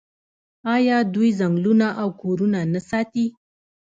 آیا دوی ځنګلونه او کورونه نه ساتي؟